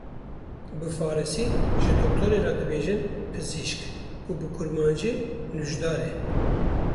Bi Farsî ji doktor re, dibêjin Pizîşik û bi kurmancî Nûjdar e.